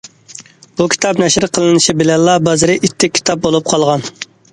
بۇ كىتاب نەشر قىلىنىشى بىلەنلا بازىرى ئىتتىك كىتاب بولۇپ قالغان.